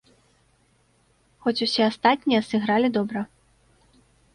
Хоць усе астатнія сыгралі добра.